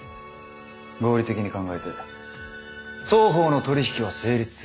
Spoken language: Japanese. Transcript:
合理的に考えて双方の取り引きは成立する。